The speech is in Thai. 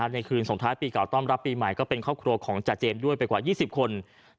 ในคืนสงท้ายปีเก่าต้อนรับปีใหม่ก็เป็นครอบครัวของจาเจนด้วยไปกว่า๒๐คน